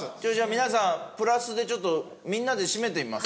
皆さんプラスでちょっとみんなで締めてみます？